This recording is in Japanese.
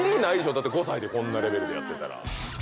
だって５歳でこんなレベルでやってたら。